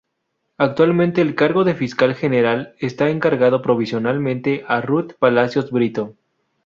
Actualmente el cargo de Fiscal general está encargado provisionalmente a Ruth Palacios Brito.